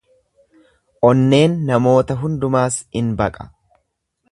Onneen namoota hundumaas in baqa.